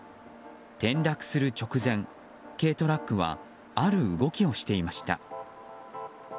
転落する直前、軽トラックはある動きをしていました。